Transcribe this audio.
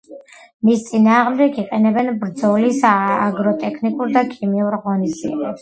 მის წინააღმდეგ იყენებენ ბრძოლის აგროტექნიკურ და ქიმიურ ღონისძიებებს.